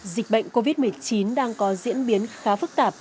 dịch bệnh covid một mươi chín đang có diễn biến khá phức tạp